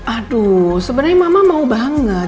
aduh sebenarnya mama mau banget